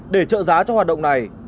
để trợ giá cho hoạt động này